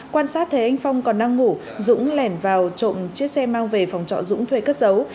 quan sát thế anh phong còn đang ngủ dũng lẻn vào trộn chiếc xe mang về phòng trọ dũng thuê cất dấu